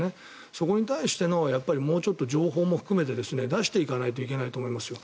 そこに対してのもうちょっと情報も含めて出していかないといけないと思いますよ。